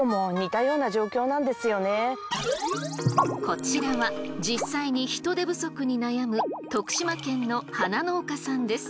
こちらは実際に人手不足に悩む徳島県の花農家さんです。